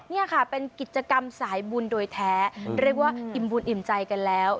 นี่ค่ะเป็นกิจกรรมสายบุญโดยแท้เรียกว่าอิ่มบุญอิ่มใจกันแล้ว